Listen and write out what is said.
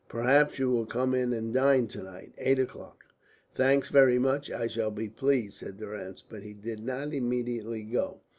"Perhaps you will come in and dine to night. Eight o'clock." "Thanks, very much. I shall be pleased," said Durrance, but he did not immediately go.